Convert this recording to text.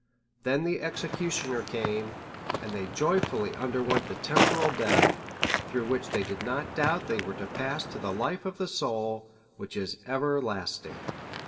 Then the executioner came, and they joyfully underwent the temporal death, through which they did not doubt they were to pass to the life of the soul, which is everlasting.